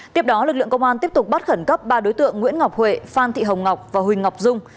tiếp đó lực lượng công an tiếp tục bắt khẩn cấp ba đối tượng nguyễn ngọc huệ phan thị hồng ngọc và huỳnh ngọc dung